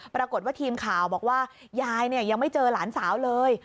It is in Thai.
ปรากฏว่าทีมข่าวบอกว่ายายยังไม่เจอหลานสาวเลย